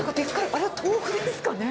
あれは豆腐ですかね？